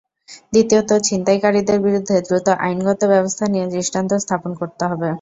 দ্বিতীয়ত, ছিনতাইকারীদের বিরুদ্ধে দ্রুত আইনগত ব্যবস্থা নিয়ে দৃষ্টান্ত স্থাপন করতে হবে।